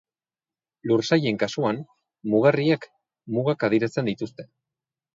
Lursailen kasuan mugarriek mugak adierazten dituzte.